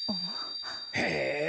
へえ。